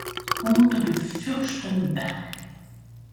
Comte de Fürstenberg.